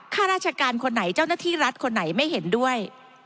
ข้าราชการคนไหนเจ้าหน้าที่รัฐคนไหนไม่เห็นด้วย